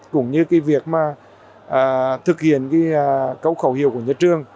cũng như việc thực hiện câu khẩu hiệu của nhà trường